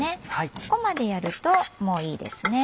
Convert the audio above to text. ここまでやるともういいですね。